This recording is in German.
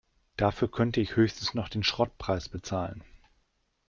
Dafür kann ich höchstens noch den Schrottpreis bezahlen.